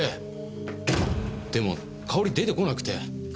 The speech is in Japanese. でもかおり出てこなくて。